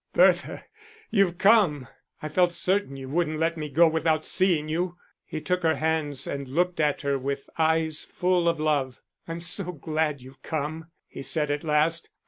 "Bertha you've come. I felt certain you wouldn't let me go without seeing you." He took her hands and looked at her with eyes full of love. "I'm so glad you've come," he said at last.